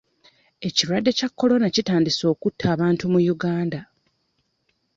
Ekirwadde kya Corona kitandise okutta abantu mu Uganda.